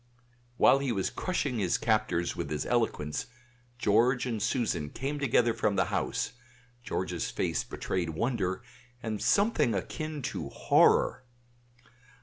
While he was crushing his captors with his eloquence, George and Susan came together from the house; George's face betrayed wonder and something akin to horror.